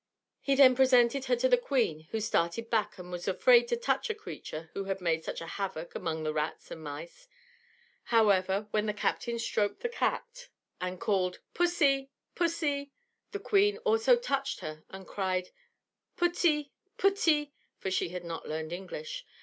He then presented her to the queen, who started back, and was afraid to touch a creature who had made such a havoc among the rats and mice. However, when the captain stroked the cat and called: "Pussy, pussy," the Queen also touched her and cried "Putty, putty," for she had not learned English.